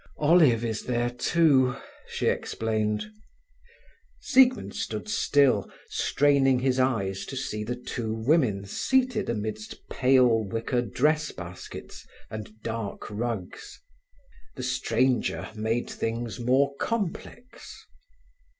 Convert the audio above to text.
"Olive is there, too," she explained. Siegmund stood still, straining his eyes to see the two women seated amidst pale wicker dress baskets and dark rugs. The stranger made things more complex.